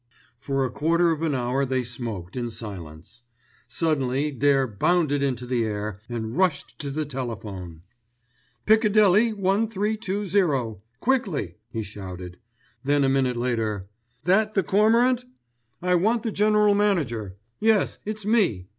For a quarter of an hour they smoked in silence. Suddenly Dare bounded into the air, and rushed to the telephone. "Piccadilly 1320, quickly," he shouted. Then a minute later, "That The Cormorant? I want the general manager. Yes; it's me.